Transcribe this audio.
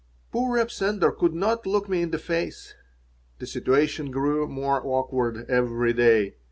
Poor Reb Sender could not look me in the face. The situation grew more awkward every day.